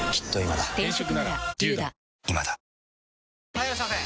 ・はいいらっしゃいませ！